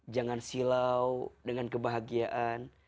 jangan silau dengan kebahagiaan